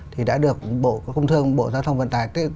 thì đã được bộ công thương bộ giao thông vận tải